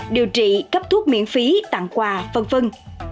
điều trị cấp thuốc miễn phí tặng quà vân vân